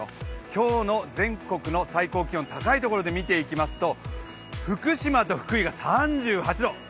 今日の全国の最高気温、高いところで見ていきますと福島と福井が３８度。